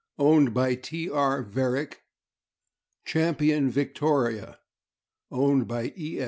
owned by T. R. Varrick; Champion Victoria, owned by E.